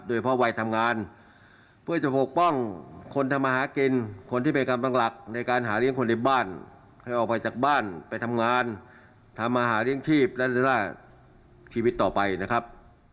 โดยเพราะวัยทำงานเพื่อจะปกป้องคนทำมาหากินคนที่เป็นกำลังหลักในการหาเลี้ยงคนในบ้านให้ออกไปจากบ้านไปทำงานทำอาหารเลี้ยงชีพและชีวิตต่อไปนะครับ